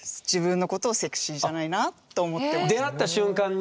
私が出会った瞬間に？